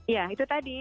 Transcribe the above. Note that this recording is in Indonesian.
ya itu tadi